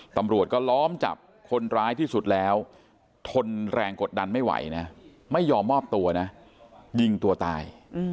ตำรวจก็ล้อมจับคนร้ายที่สุดแล้วทนแรงกดดันไม่ไหวนะไม่ยอมมอบตัวนะยิงตัวตาย